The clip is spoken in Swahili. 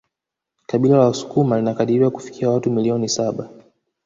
Kabila la wasukuma linakadiriwa kufikia watu milioni saba